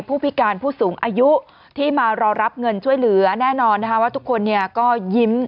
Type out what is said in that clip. ผู้พิการผู้สูงอายุที่มารอรับเงินช่วยเหลือแน่นอนนะคะว่าทุกคนเนี่ยก็ยิ้ม